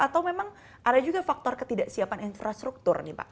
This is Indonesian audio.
atau memang ada juga faktor ketidaksiapan infrastruktur nih pak